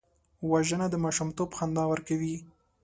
وژنه د ماشومتوب خندا ورکوي